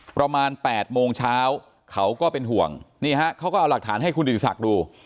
ประมาณ๘โมงเช้าเขาก็เป็นห่วงนี่ฮะเขาก็เอาหลักฐานให้คุณติศักดิ์ดู